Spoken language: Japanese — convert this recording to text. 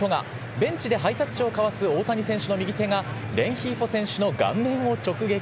ベンチでハイタッチを交わす大谷選手の右手が、レンヒーフォ選手の顔面を直撃。